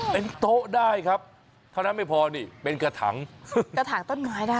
เป็นโต๊ะได้ครับเท่านั้นไม่พอนี่เป็นกระถางกระถางต้นไม้ได้